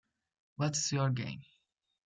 What’s your game?